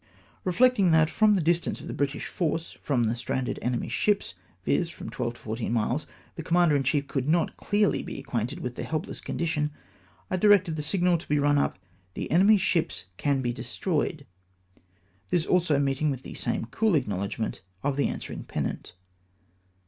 Eeflecting that, from the distance of the British force from the stranded enemy's ships, viz. from twelve to fourteen miles, the Commander in chief could not clearly be acquainted with their helpless condition, I directed the signal to be run up, " The enemy's shijjs can he destroyed;'' this also meeting with the same cool ac knowledgment of the answering pennant.